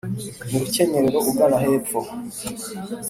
mu rukenyerero ugana hepfo gatoya